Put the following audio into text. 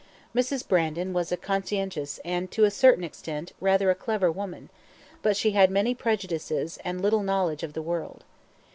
Mrs. Brandon was a conscientious and, to a certain extent, rather a clever woman, but she had many prejudices and little knowledge of the world.